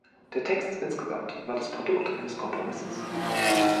Der Text insgesamt war das Produkt eines Kompromisses.